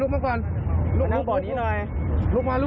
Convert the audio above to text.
ขยับมานั่งฝั่งนี้ลุกก่อนลุก